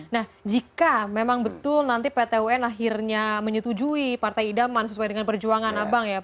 nah jika memang betul nanti pt un akhirnya menyetujui partai idaman sesuai dengan perjuangan abang ya